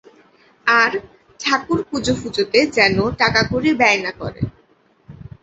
আর ঠাকুরপুজো-ফুজোতে যেন টাকাকড়ি বেশী ব্যয় না করে।